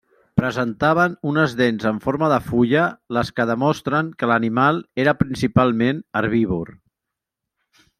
Presentaven unes dents en forma de fulla les que demostren que l'animal era principalment herbívor.